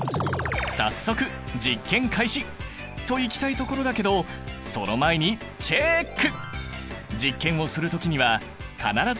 早速実験開始。といきたいところだけどその前にチェック！